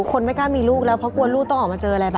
คนไม่กล้ามีลูกแล้วเพราะกลัวลูกต้องออกมาเจออะไรป่